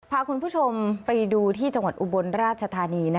พาคุณผู้ชมไปดูที่จังหวัดอุบลราชธานี